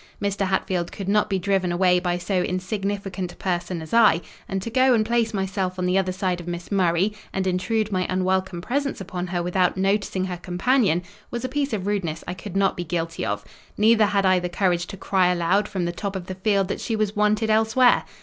Mr. Hatfield could not to be driven away by so insignificant person as I; and to go and place myself on the other side of Miss Murray, and intrude my unwelcome presence upon her without noticing her companion, was a piece of rudeness I could not be guilty of: neither had I the courage to cry aloud from the top of the field that she was wanted elsewhere.